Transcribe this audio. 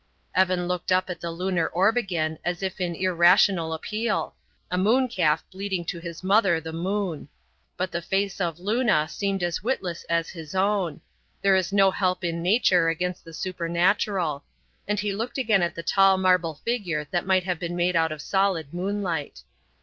Evan looked up at the lunar orb again as if in irrational appeal a moon calf bleating to his mother the moon. But the face of Luna seemed as witless as his own; there is no help in nature against the supernatural; and he looked again at the tall marble figure that might have been made out of solid moonlight.